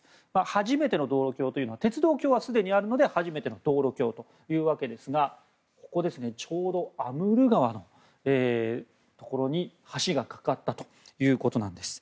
初めての道路橋というのは鉄道橋はすでにあるので初めての道路橋というわけですがちょうどアムール川のところに橋が架かったということなんです。